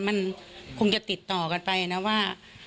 มันคงจะติดต่อกันไปนะว่า